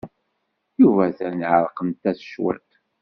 Yuba atan ɛerqent-as cwiṭ.